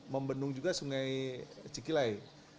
membenung juga sungai cikilai